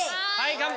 乾杯！